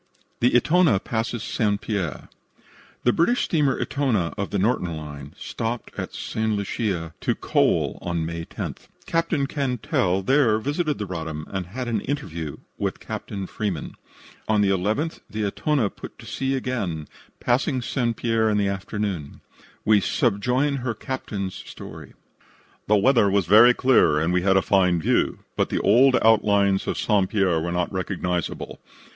THE "ETONA" PASSES ST. PIERRE The British steamer Etona, of the Norton Line, stopped at St. Lucia to coal on May 10th. Captain Cantell there visited the Roddam and had an interview with Captain Freeman. On the 11th the Elona put to sea again, passing St. Pierre in the afternoon. We subjoin her captain's story: "The weather was clear and we had a fine view, but the old outlines of St. Pierre were not recognizable.